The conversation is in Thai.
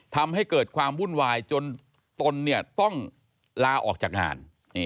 ทำให้เกิดความวุ่นวายจนตนต้องลาออกจากงาน